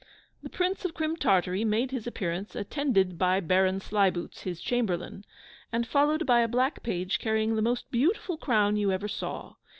The Prince of Crim Tartary made his appearance, attended by Baron Sleibootz, his chamberlain, and followed by a black page, carrying the most beautiful crown you ever saw!